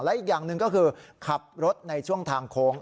และอีกอย่างหนึ่งก็คือขับรถในช่วงทางโค้ง